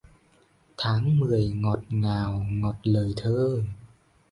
Tháng mười ngào ngọt lời thơ